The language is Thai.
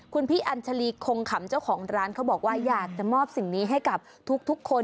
คุณพี่อัญชาลีคงขำเจ้าของร้านเขาบอกว่าอยากจะมอบสิ่งนี้ให้กับทุกคน